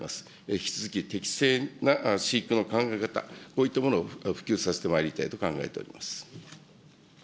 引き続き、適正な飼育の考え方、こういったものを普及させていただきたいと考えております。